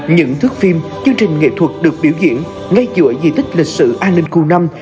những thước phim chương trình nghệ thuật được biểu diễn ngay giữa dị tích lịch sử an ninh cu năm